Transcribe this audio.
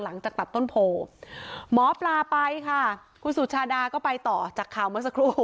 หลังจากตัดต้นโพหมอปลาไปค่ะคุณสุชาดาก็ไปต่อจากข่าวเมื่อสักครู่